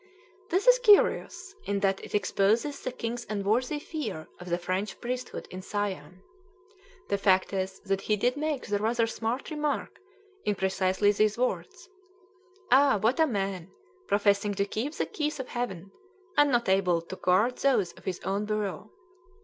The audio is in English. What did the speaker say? This is curious, in that it exposes the king's unworthy fear of the French priesthood in Siam. The fact is that he did make the rather smart remark, in precisely these words: "Ah! what a man! professing to keep the keys of Heaven, and not able to guard those of his own bureau!"